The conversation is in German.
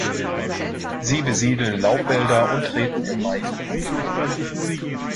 Sie besiedeln Laubwälder und treten im Mai und Juni auf.